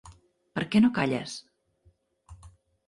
Per què no calles?